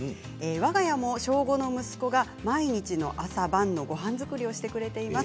わが家も小５の息子が毎日の朝晩のごはん作りをしてくれています。